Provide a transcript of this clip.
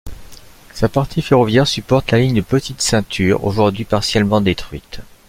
Sa partie ferroviaire supporte la ligne de Petite Ceinture, aujourd'hui partiellement détruite.